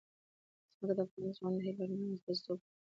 ځمکه د افغان ځوانانو د هیلو او ارمانونو استازیتوب کوي.